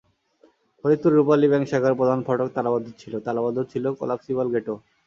Faridpur Rupali bank শাখার প্রধান ফটক তালাবদ্ধ ছিল, তালাবদ্ধ ছিল কলাপসিবল গেটও।